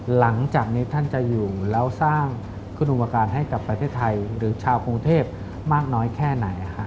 หลังจากนี้ท่านจะอยู่แล้วสร้างคุณอุปการณ์ให้กับประเทศไทยหรือชาวกรุงเทพมากน้อยแค่ไหน